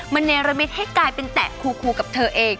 มันเนรมิตให้กลายเป็นแตะคูกับเธอเอง